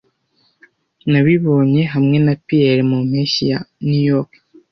Nabibonye hamwe na Pierre mu mpeshyi ya; New York